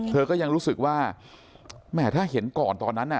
เธอก็ยังรู้สึกว่าแหมถ้าเห็นก่อนตอนนั้นน่ะ